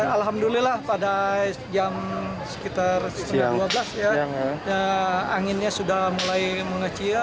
alhamdulillah pada jam sekitar setengah dua belas ya anginnya sudah mulai mengecil